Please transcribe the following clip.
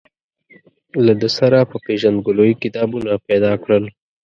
له ده سره په پېژندګلوۍ کتابونه پیدا کړل.